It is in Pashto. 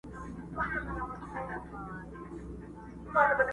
پر اوربل به دي نازکي، باران وي، او زه به نه یم،